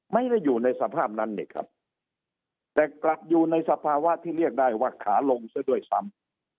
ไม่ได้อยู่ในสภาพนั้นนี่ครับแต่กลับอยู่ในสภาวะที่เรียกได้ว่าขาลงซะด้วยซ้ำ